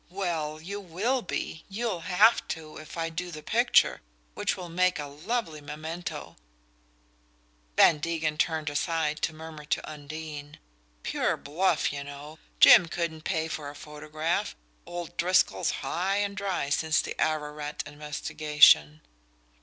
Well, you WILL be, you'll HAVE to, if I do the picture which will make a lovely memento") Van Degen turned aside to murmur to Undine: "Pure bluff, you know Jim couldn't pay for a photograph. Old Driscoll's high and dry since the Ararat investigation."